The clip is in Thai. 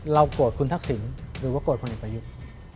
เรากลดคุณทักษิงหรือว่ากลดคนอีกประยุทธ์